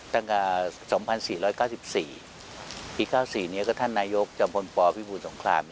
ตั้งแต่๒๔๙๔ปี๙๔นี้ก็ท่านนายกจอมพลปพิบูรสงคราม